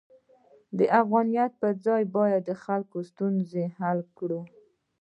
د افغانیت پر ځای باید د خلکو ستونزې حل کړو.